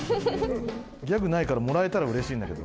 ギャグないからもらえたらうれしいんだけど。